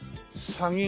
サギ？